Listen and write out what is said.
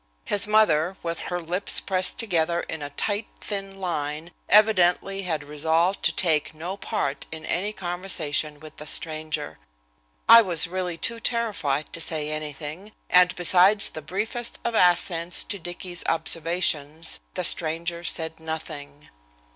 His mother, with her lips pressed together in a tight, thin line, evidently had resolved to take no part in any conversation with the stranger. I was really too terrified to say anything, and, besides the briefest of assents to Dicky's observations, the stranger said nothing.